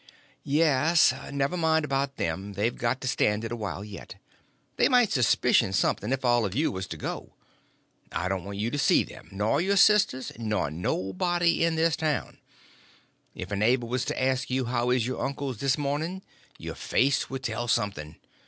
"Yes; never mind about them. They've got to stand it yet a while. They might suspicion something if all of you was to go. I don't want you to see them, nor your sisters, nor nobody in this town; if a neighbor was to ask how is your uncles this morning your face would tell something.